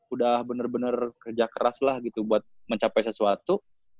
udah bener bener kerja keras lah gitu buat mencapai sesuatu